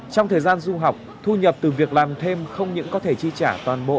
trong thời gian du học thu nhập từ việc làm thêm không những có thể chi trả toàn bộ